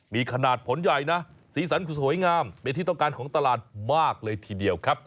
มีขนาดผลใหญ่นะสีสันคือสวยงามเป็นที่ต้องการของตลาดมากเลยทีเดียวครับ